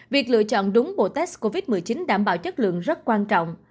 việc lựa chọn đúng bộ test covid một mươi chín đảm bảo chất lượng rất quan trọng